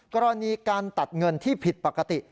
กรณีการตัดเงินที่ผิดปกติ